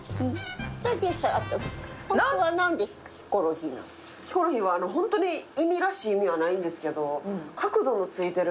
ヒコロヒーはホントに意味らしい意味はないんですけど。